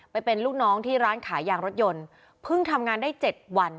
ไปเป็นลูกน้องที่ร้านขายยางรถยนต์เพิ่งทำงานได้เจ็ดวัน